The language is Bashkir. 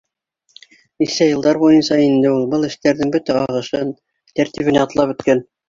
Нисә йылдар буйынса инде ул был эштәрҙең бөтә ағышын, тәртибен ятлап бөткән.